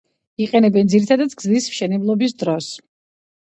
იყენებენ ძირითადად გზის მშენებლობის დროს.